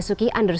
di akun twitternya